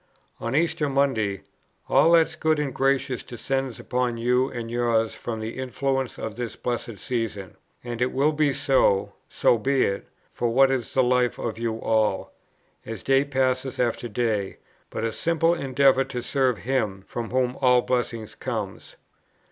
On Easter Monday: "All that is good and gracious descend upon you and yours from the influences of this Blessed Season; and it will be so, (so be it!) for what is the life of you all, as day passes after day, but a simple endeavour to serve Him, from whom all blessing comes?